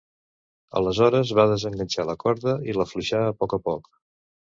Aleshores, va desenganxar la corda i l’afluixà a poc a poc.